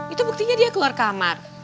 itu buktinya dia keluar kamar